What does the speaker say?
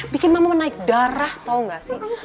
bikin mama menaik darah tau gak sih